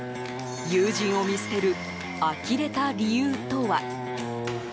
友人を見捨てるあきれた理由とは。